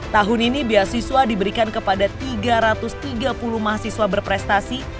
tahun ini beasiswa diberikan kepada tiga ratus tiga puluh mahasiswa berprestasi